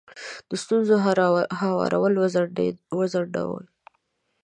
د ستونزو هوارول وځنډوئ.